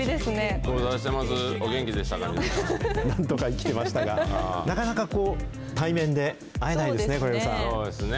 なんとか生きてましたが、なかなか対面で会えないですね、小そうですね。